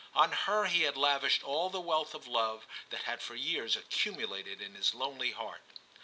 On her he had lavished all the wealth of love that had for years accumulated in his lonely heart.